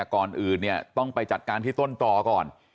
ก่อนอื่นเนี่ยต้องไปจัดการที่ต้นต่อก่อน